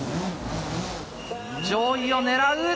上位を狙う。